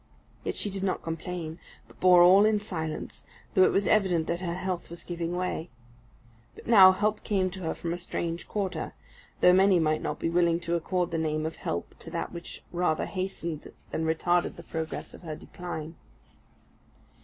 Yet she did not complain, but bore all in silence, though it was evident that her health was giving way. But now, help came to her from a strange quarter; though many might not be willing to accord the name of help to that which rather hastened than retarded the progress of her decline.